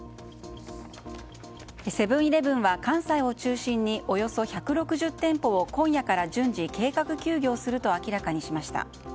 セブン‐イレブンは関西を中心におよそ１６０店舗を今夜から順次計画休業すると明らかにしました。